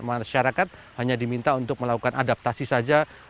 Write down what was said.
masyarakat hanya diminta untuk melakukan adaptasi saja